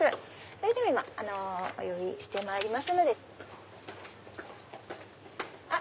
それでは今お呼びしてまいります。あっ！